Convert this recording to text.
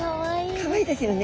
かわいいですよね。